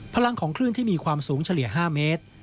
พลังของคลื่นที่มีความสูงเฉลี่ย๕เมตร